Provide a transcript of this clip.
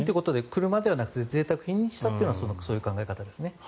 車ではなくてぜいたく品だとしたのはそういう考え方ですね。